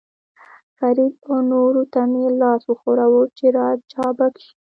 فرید او نورو ته مې لاس وښوراوه، چې را چابک شي.